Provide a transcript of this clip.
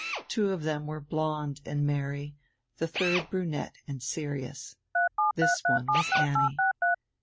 Two of them were blonde and merry, the third brunette and serious. This one was Annie.